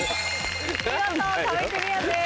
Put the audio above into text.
見事壁クリアです。